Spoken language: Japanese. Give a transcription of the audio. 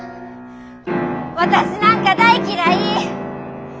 私なんか大嫌い！